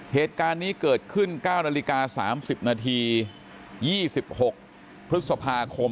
เหตุการณ์นี้เกิดขึ้น๙นาฬิกา๓๐นาที๒๖พฤษภาคม